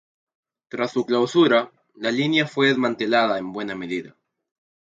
Tras su clausura, la línea fue desmantelada en buena medida.